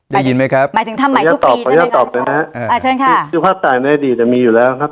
ได้ยินไหมครับขออนุญาตตอบหน่ะนะครับอาชญาณค่ะภาพถ่ายในอดีตมีอยู่แล้วนะครับ